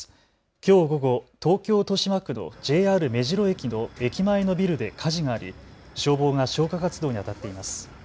きょう午後、東京豊島区のＪＲ目白駅の駅前のビルで火事があり、消防が消火活動にあたっています。